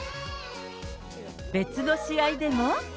別の試合でも。